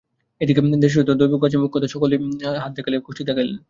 এদিকে দেশে যত দৈবজ্ঞ আছে মোক্ষদা সকলকেই হাত দেখাইলেন, কোষ্ঠী দেখাইলেন।